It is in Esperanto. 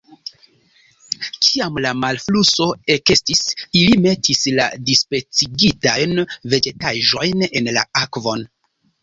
Kiam la malfluso ekestis, ili metis la dispecigitajn vegetaĵojn en la akvon.